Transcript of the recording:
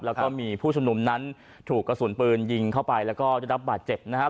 แล้วก็มีผู้ชุมนุมนั้นถูกกระสุนปืนยิงเข้าไปแล้วก็ได้รับบาดเจ็บนะครับ